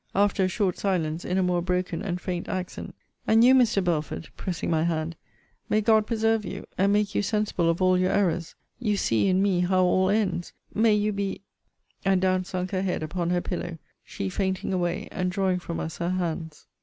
After a short silence, in a more broken and faint accent And you, Mr. Belford, pressing my hand, may God preserve you, and make you sensible of all your errors you see, in me, how all ends may you be And down sunk her head upon her pillow, she fainting away, and drawing from us her hands.